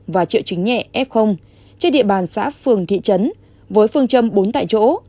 và triệu chứng nhẹ f trên địa bàn xã phường thị trấn với phương châm bốn tại chỗ